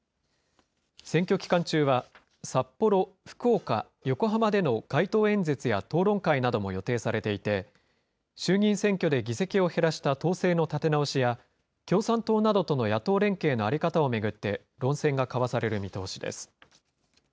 選挙期間中は札幌、福岡、横浜での街頭演説や討論会なども予定されていて、衆議院選挙で議席を減らした党勢の立て直しや、共産党などとの野党連携の在り方を巡って、論戦が交わされる見通しです。